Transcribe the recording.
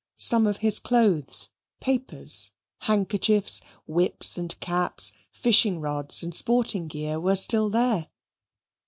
Some of his clothes, papers, handkerchiefs, whips and caps, fishing rods and sporting gear, were still there.